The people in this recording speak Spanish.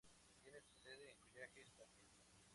Tiene su sede en College Station.